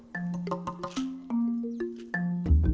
cara keramas dengan lumpur ini